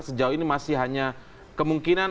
sejauh ini masih hanya kemungkinan